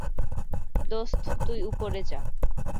দোস্ত, তুই উপরে যা।